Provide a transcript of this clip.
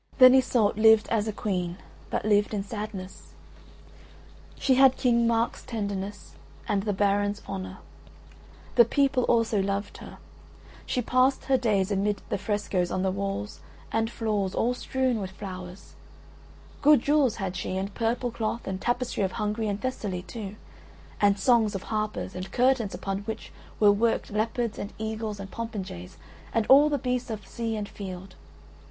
Then Iseult lived as a queen, but lived in sadness. She had King Mark's tenderness and the barons' honour; the people also loved her; she passed her days amid the frescoes on the walls and floors all strewn with flowers; good jewels had she and purple cloth and tapestry of Hungary and Thessaly too, and songs of harpers, and curtains upon which were worked leopards and eagles and popinjays and all the beasts of sea and field.